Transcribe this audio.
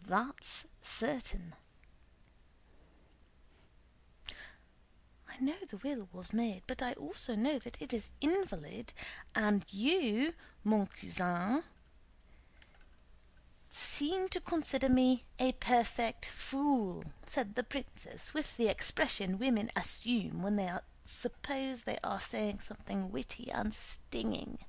* That's certain." * And all that follows therefrom. "I know the will was made, but I also know that it is invalid; and you, mon cousin, seem to consider me a perfect fool," said the princess with the expression women assume when they suppose they are saying something witty and stinging.